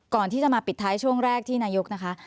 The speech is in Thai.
ก่อนที่จะมาปิดท้ายช่วงแรกที่นายกนะคะ